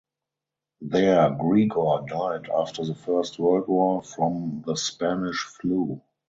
There Grigor died after the First World War from the Spanish flu.